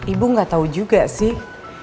ibu nggak tahu juga sih